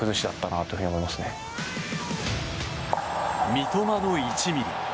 三笘の１ｍｍ。